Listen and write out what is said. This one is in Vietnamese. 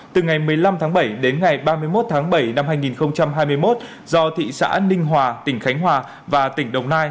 từ ngày một mươi năm tháng bảy đến ngày ba mươi một tháng bảy năm hai nghìn hai mươi một do thị xã ninh hòa tỉnh khánh hòa và tỉnh đồng nai